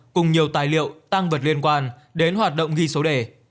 cùng nhiều tài liệu tăng vật liên quan đến hoạt động ghi số đề